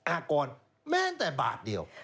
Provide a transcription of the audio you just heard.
อากรแม้แต่บาทเดียว